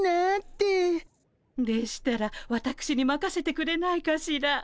でしたらわたくしにまかせてくれないかしら。